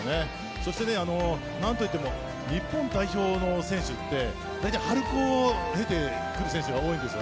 そして何といっても日本代表の選手ってだいたい春高を経てくる選手が多いんですよ。